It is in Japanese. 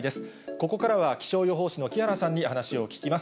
ここからは、気象予報士の木原さんに話を聞きます。